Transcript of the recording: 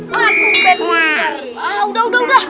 wah kumpen liar